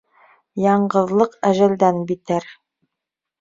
Яңғыҙлыҡ әжәлдән битәр.